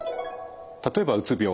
例えばうつ病。